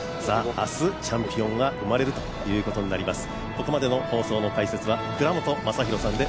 明日、チャンピオンが生まれるということになります。